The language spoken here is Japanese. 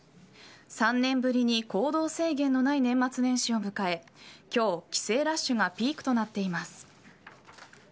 ３年ぶりに行動制限のない年末年始を迎え今日、帰省ラッシュがピークとなっています。